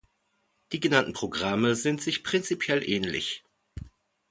Die genannten Programme sind sich prinzipiell ähnlich.